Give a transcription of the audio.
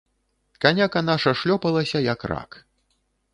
Каняка наша шлёпалася, як рак.